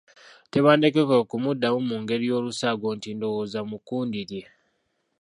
Tebandeke kwe kumuddamu mu ngeri y’olusaago nti Ndowooza mu kkundi lye.